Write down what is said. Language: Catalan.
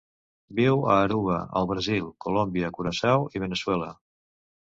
Viu a Aruba, el Brasil, Colòmbia, Curaçao i Veneçuela.